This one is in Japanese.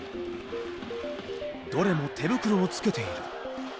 どれも手袋をつけている。